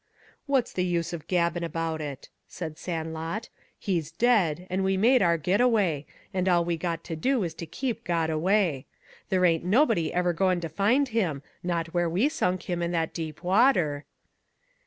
"What's the use gabbin' about it?" said Sandlot. "He's dead, and we made our get away, and all we got to do is to keep got away. There ain't anybody ever goin' to find him, not where we sunk him in that deep water."